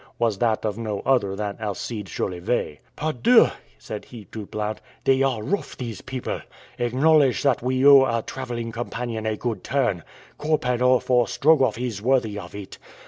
was that of no other than Alcide Jolivet. "Par dieu!" said he to Blount, "they are rough, these people. Acknowledge that we owe our traveling companion a good turn. Korpanoff or Strogoff is worthy of it.